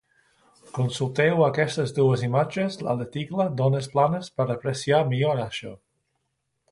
Consulteu a aquestes dues imatges a l'article d'ones planes per apreciar millor això.